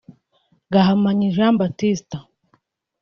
Gahamanyi Jean Baptiste